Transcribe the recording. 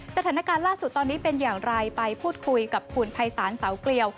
สถานการณ์ล่าสุดตอนนี้เป็นอย่างไรไปพูดคุยกับคุณภัยศาลเสาเกลียว